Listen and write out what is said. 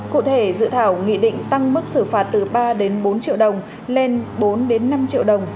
cụ thể dự thảo nghị định tăng mức xử phạt từ ba đến bốn triệu đồng lên bốn năm triệu đồng